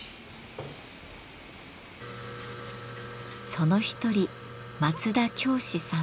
その一人松田共司さん。